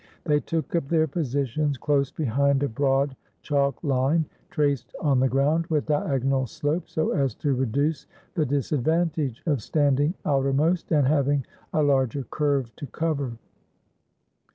They took up their positions close behind a broad chalk line, traced on the ground with diagonal slope, so as to re duce the disadvantage of standing outermost and hav ing a larger curve to cover.